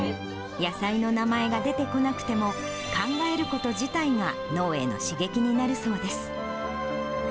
野菜の名前が出てこなくても、考えること自体が脳への刺激になるそうです。